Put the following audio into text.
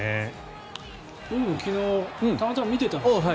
僕も昨日たまたま見てたんですよ。